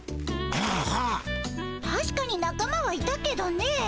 たしかになか間はいたけどね。